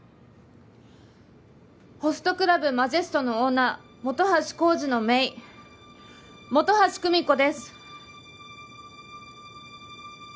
ホストクラブＭＡＪＥＳＴのオーナー本橋晃司のめい本橋久美子です。